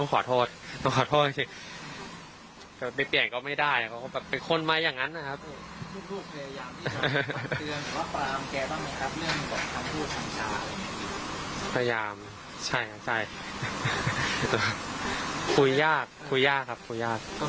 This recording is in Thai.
ขอโทษครับขอโทษจริงขอโทษแทนพ่อด้วย